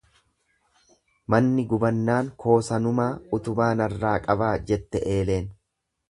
Manni gubannaan koo sanumaa utubaa narraa qabaa jette eeleen.